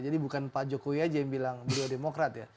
jadi bukan pak jokowi aja yang bilang dia demokrat ya